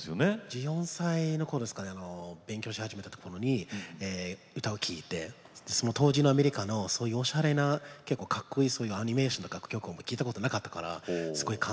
１４歳の頃ですかね勉強し始めた頃に歌を聴いてその当時のアメリカのそういうおしゃれな結構かっこいいそういうアニメーションの楽曲を聴いたことなかったからすごい感動しました。